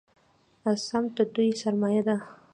سمت د دوی سرمایه ده.